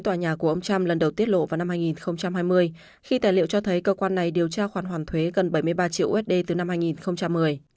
tòa nhà của ông trump lần đầu tiết lộ vào năm hai nghìn hai mươi khi tài liệu cho thấy cơ quan này điều tra khoản hoàn thuế gần bảy mươi ba triệu usd từ năm hai nghìn một mươi